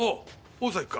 大崎か。